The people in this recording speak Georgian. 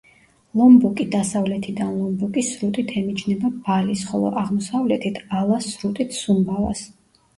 ლომბოკი დასავლეთიდან ლომბოკის სრუტით ემიჯნება ბალის, ხოლო აღმოსავლეთით ალას სრუტით სუმბავას.